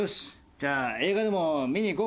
じゃあ映画でも見に行こうか。